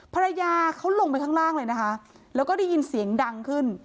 ภรรยาเขาลงไปข้างล่างเลยนะคะแล้วก็ได้ยินเสียงดังขึ้น